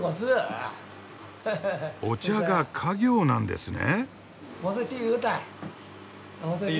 お茶が家業なんですね？